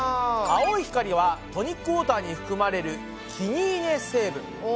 青い光はトニックウォーターに含まれるキニーネ成分。